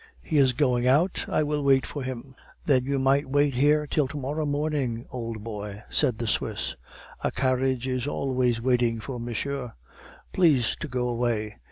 "He is going out; I will wait for him." "Then you might wait here till to morrow morning, old boy," said the Swiss. "A carriage is always waiting for monsieur. Please to go away.